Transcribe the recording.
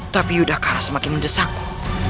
tapi yudhakara semakin mendesakku